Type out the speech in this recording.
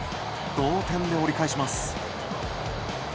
同点で折り返します。